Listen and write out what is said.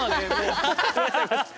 ハハハハ！